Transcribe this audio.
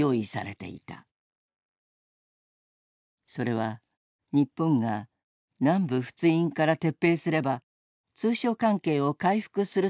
それは日本が南部仏印から撤兵すれば通商関係を回復するというものだった。